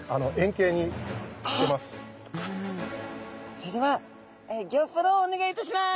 それではギョープロをお願いいたします。